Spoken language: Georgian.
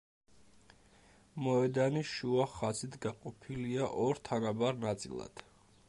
მოედანი შუა ხაზით გაყოფილია ორ თანაბარ ნაწილად.